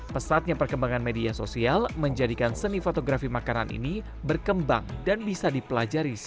pesatnya perkembangan media sosial menjadikan seni fotografi makanan ini berkembang dan bisa dipelajari